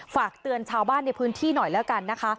ฝากเตือนชาวบ้านในพื้นที่หน่อยแล้วกันนะคะ